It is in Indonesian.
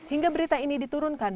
hingga berita ini diturunkan